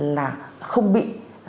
là không bị